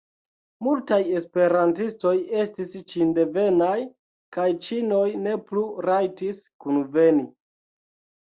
Multaj esperantistoj estis ĉindevenaj, kaj ĉinoj ne plu rajtis kunveni.